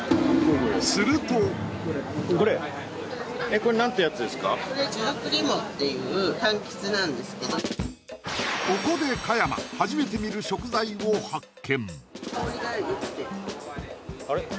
これここで鹿山初めて見る食材を発見